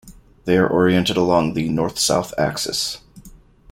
They are oriented along the north-south axis.